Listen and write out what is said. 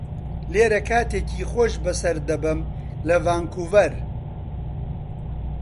لێرە کاتێکی خۆش بەسەر دەبەم لە ڤانکوڤەر.